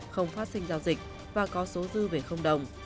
không phát sinh giao dịch và có số dư về đồng